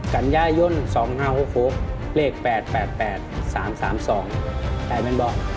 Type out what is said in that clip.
สัญญาย่น๒๕๖๖เลข๘๘๘๓๓๒แปลกมันบอก